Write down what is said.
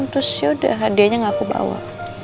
terus yaudah hadiahnya nggak aku bawa